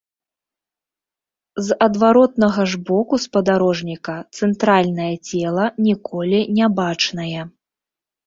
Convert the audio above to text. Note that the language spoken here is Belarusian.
З адваротнага ж боку спадарожніка цэнтральнае цела ніколі не бачнае.